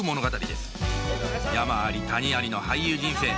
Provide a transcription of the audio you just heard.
山あり谷ありの俳優人生